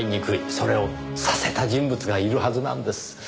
それをさせた人物がいるはずなんです。